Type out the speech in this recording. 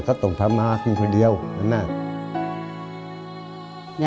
เขาต้องทำมาสิ่งเดียวนั่นแหละ